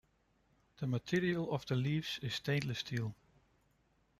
The material of the leaves is stainless steel.